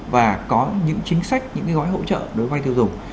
và có những chính sách những gói hỗ trợ đối với tiêu dùng